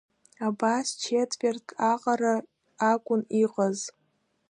Абас чеҭверҭк аҟара акәын иҟаз.